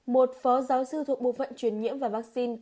một phó giáo sư thuộc bộ phận truyền nhiễm và vaccine